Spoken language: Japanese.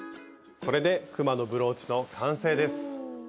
これでくまのブローチの完成です！